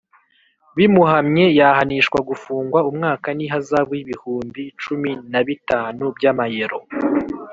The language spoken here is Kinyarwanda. bimuhamye yahanishwa gufungwa umwaka n’ihazabu y’ibihumbi cumin a bitanu by’amayero.